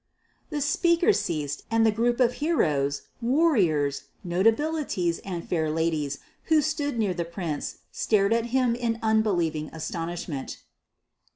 The speaker ceased, and the group of heroes, warriors, notabilities, and fair ladies who stood near the Prince stared at him in unbelieving astonishment.